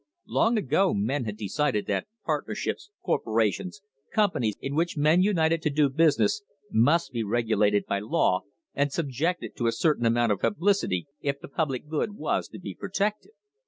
Long ago men had decided that partnerships, corporations, companies, in which men united to do business, must be regulated by law and subjected to a certain amount of publicity, if the public good was to be protected.